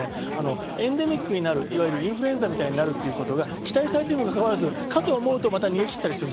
エンデミックになる、インフルエンザみたいになることが期待されているにもかかわらず、かと思うと逃げ切ったりする。